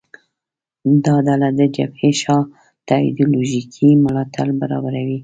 دا ډله د جبهې شا ته ایدیالوژیکي ملاتړ برابروي